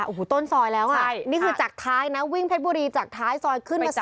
โอ้โหต้นซอยแล้วอ่ะใช่นี่คือจากท้ายนะวิ่งเพชรบุรีจากท้ายซอยขึ้นมา๓